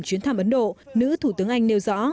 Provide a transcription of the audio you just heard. chuyến thăm ấn độ nữ thủ tướng anh nêu rõ